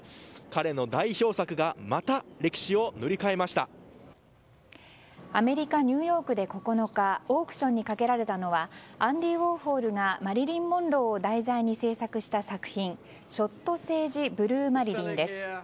彼の代表作がアメリカ・ニューヨークで９日オークションにかけられたのはアンディ・ウォーホルがマリリン・モンローを題材に制作した作品「ショット・セージ・ブルー・マリリン」です。